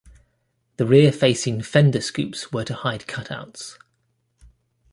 The rear-facing fender scoops were to hide cutouts.